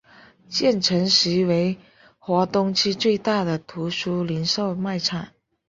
建成时为华东地区最大的图书零售卖场。